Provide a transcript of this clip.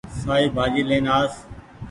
سآئي ڀآجي لين آس